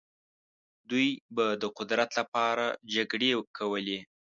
دوی به د قدرت لپاره جګړې کولې.